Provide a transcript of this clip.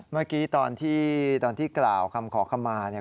เมื่อกี้ตอนที่กล่าวคำขอคำมา